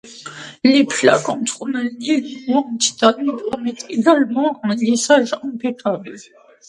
Les plaques en tourmaline, ou en titane, permettent également un lissage impeccable.